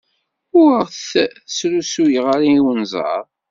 Ur t-srusuy ara i unẓar.